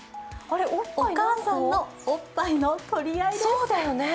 お母さんのおっぱいの取り合いです。